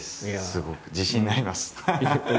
すごく自信になります。